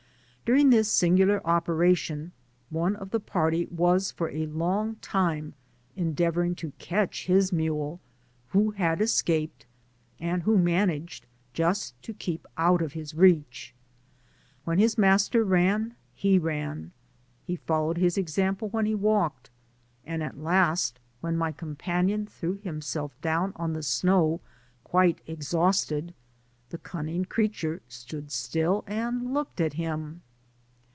During this singular operation, one of the party was for a long time ^ideavouring to catch his mule, who had escaped, and who managed just to keep out of his reach. When his master ran, he ran : he followed his example when he walked, and at last, when my companion threw himself down oel the snow quite exhausted, the cunning creature stood still and looked at him.